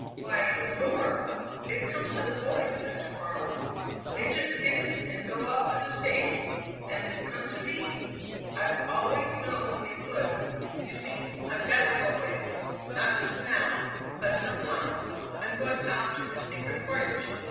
"Why, the lure. It comes to the boys, Mr. Farwell. They just get it and go off to the States, and it's come to me! I've always known it would. You see, I've got to go away; not just now, but some time. I'm going out through the Secret Portage.